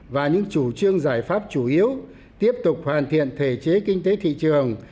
và những chủ trương giải pháp chủ yếu tiếp tục hoàn thiện thể chế kinh tế thị trường